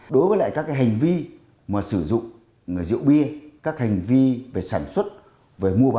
đối với lại các cái hành vi mà sử dụng rượu bia các hành vi về sản xuất về mua bán rượu bia